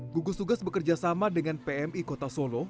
gugus tugas bekerja sama dengan pmi kota solo